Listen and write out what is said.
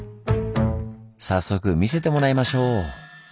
早速見せてもらいましょう。